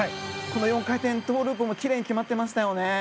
この４回転トウループもきれいに決まっていました。